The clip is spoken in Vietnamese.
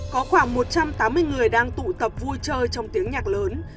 có khoảng một trăm tám mươi người đang tụ tập vui chơi trong tiếng nhạc lớn